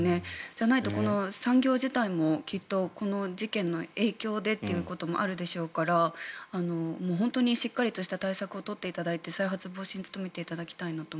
じゃないと産業自体もこの事故の影響でということもあるでしょうから本当にしっかりとした対策を取っていただいて再発防止に努めていただきたいなと。